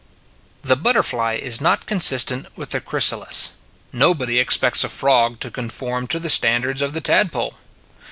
The butterfly is not consistent with the chrysalis: nobody expects a frog to con form to the standards of the tadpole.